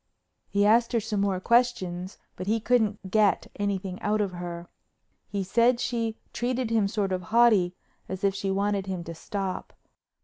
He asked her some more questions but he couldn't get anything out of her. He said she treated him sort of haughty as if she wanted him to stop.